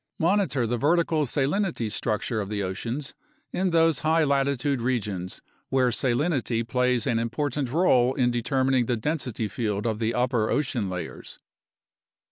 Monitor the vertical salinity structure of the oceans in those high latitude regions where salinity plays an important role in determining the density field of the upper ocean layers.